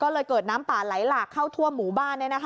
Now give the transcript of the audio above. ก็เลยเกิดน้ำป่าไหลหลากเข้าทั่วหมู่บ้าน